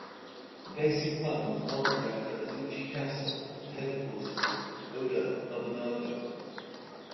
The basic plan was modeled after Azuchi Castle, the headquarters of Oda Nobunaga.